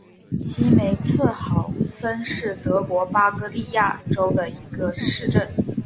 齐梅茨豪森是德国巴伐利亚州的一个市镇。